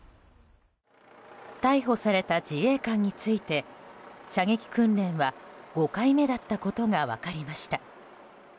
逮捕された自衛官について射撃訓練は５回目だったことが分かりました。